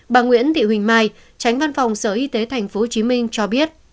bà nguyễn thị huỳnh mai tránh văn phòng sở y tế tp hcm cho biết